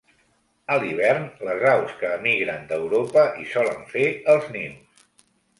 A l'hivern les aus que emigren d'Europa hi solen fer els nius.